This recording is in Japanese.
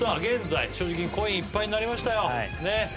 現在所持金コインいっぱいになりましたよ